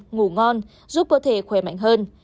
ngủ ngon giúp cơ thể khỏe mạnh hơn